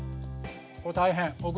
これ大変！